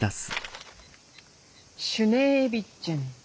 シュネービッチェン。